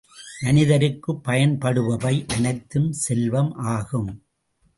மனிதருக்குப் பயன்படுபவை அனைத்தும் செல்வம் ஆகும்.